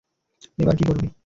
এবার কী করবি?